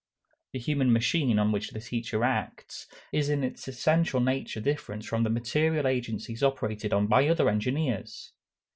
The human machine on which the teacher acts, is in its essential nature different from the material agencies operated on by other engineers.